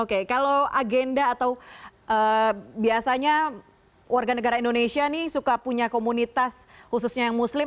oke kalau agenda atau biasanya warga negara indonesia nih suka punya komunitas khususnya yang muslim